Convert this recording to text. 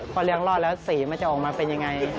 พอเลี้ยงรอดแล้วสีมันจะออกมาเป็นยังไง